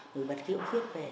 người bạch kỹ ông viết về